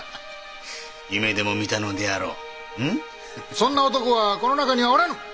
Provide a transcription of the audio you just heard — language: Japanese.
そんな男はこの中にはおらぬ！